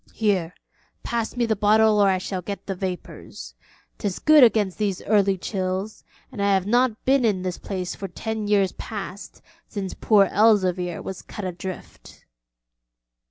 'Here, pass me the bottle or I shall get the vapours. 'Tis good against these early chills, and I have not been in this place for ten years past, since poor Elzevir was cut adrift.'